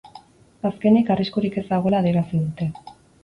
Azkenik, arriskurik ez dagoela adierazi dute.